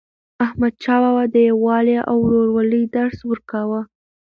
احمدشاه بابا د یووالي او ورورولۍ درس ورکاوه.